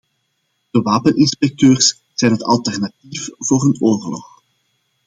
De wapeninspecteurs zijn het alternatief voor een oorlog.